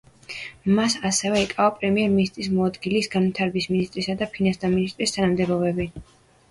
მას ასევე ეკავა პრემიერ-მინისტრის მოადგილის, განვითარების მინისტრისა და ფინანსთა მინისტრის თანამდებობები.